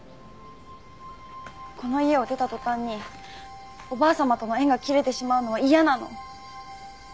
この家を出た途端におばあ様との縁が切れてしまうのは嫌なの。